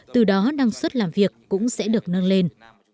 từ đó năng suất làm việc cũng sẽ được nâng lên